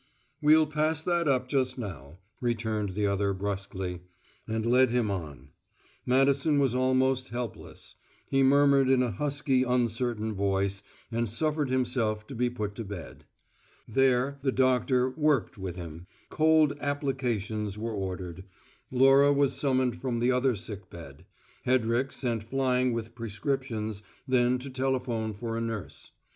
"We'll pass that up just now," returned the other brusquely, and led him on. Madison was almost helpless: he murmured in a husky, uncertain voice, and suffered himself to be put to bed. There, the doctor "worked" with him; cold "applications" were ordered; Laura was summoned from the other sick bed; Hedrick sent flying with prescriptions, then to telephone for a nurse.